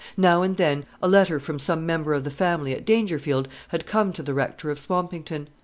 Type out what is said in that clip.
Now and then a letter from some member of the family at Dangerfield had come to the Rector of Swampington.